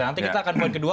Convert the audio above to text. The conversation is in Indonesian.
nanti kita akan poin kedua